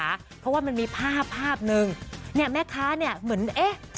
เพราะว่ามันมีภาพภาพหนึ่งเนี่ยแม่ค้าเนี่ยเหมือนเอ๊ะ